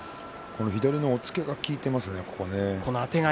左の押っつけが効いていますね。